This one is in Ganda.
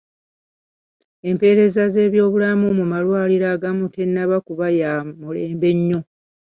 Empeereza z'ebyobulamu mu malwaliro agamu tennaba kuba ya mulembe nnyo.